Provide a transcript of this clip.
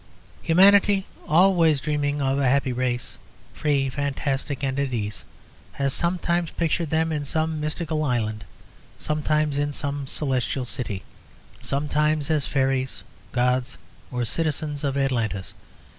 Humanity, always dreaming of a happy race, free, fantastic, and at ease, has sometimes pictured them in some mystical island, sometimes in some celestial city, sometimes as fairies, gods, or citizens of Atlantis.